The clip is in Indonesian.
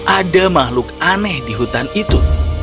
ada makhluk aneh di hutan itu